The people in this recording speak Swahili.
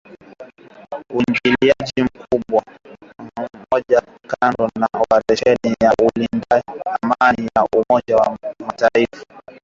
Uingiliaji mkubwa zaidi wa kigeni nchini Congo katika kipindi cha muongo mmoja kando na operesheni ya kulinda Amani ya Umoja wa Mataifa